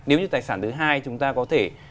nếu như tài sản thứ hai chúng ta có thể